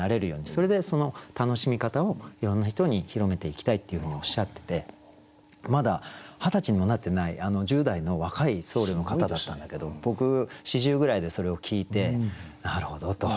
それでその楽しみ方をいろんな人に広めていきたいっていうふうにおっしゃっててまだ二十歳にもなってない１０代の若い僧侶の方だったんだけど僕４０ぐらいでそれを聞いてなるほどと。